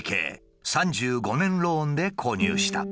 ３５年ローンで購入した。